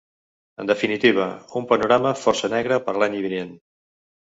En definitiva, un panorama força negre per a l’any vinent.